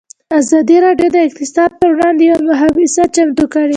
ازادي راډیو د اقتصاد پر وړاندې یوه مباحثه چمتو کړې.